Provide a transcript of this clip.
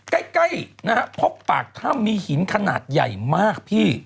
ใกล้ได้พบปากแถมมีหินสำหรับขนาดใหญ่มาก